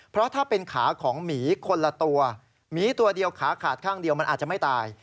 เพราะถ้าเป็นขาของหมีคนละตัวหมีตัวเดียวขาขาดข้างเดียวมันอาจจะไม่ตาย